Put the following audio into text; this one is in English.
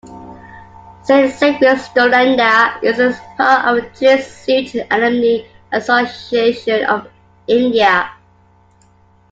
Saint Xavier's Doranda is a part of the Jesuit Alumni Association of India.